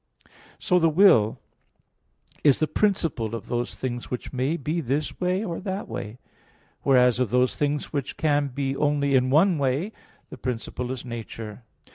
So the will is the principle of those things which may be this way or that way; whereas of those things which can be only in one way, the principle is nature.